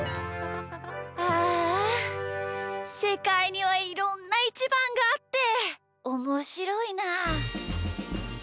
ああせかいにはいろんなイチバンがあっておもしろいな。